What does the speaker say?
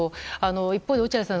一方で、落合さん